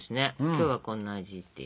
今日はこんな味って。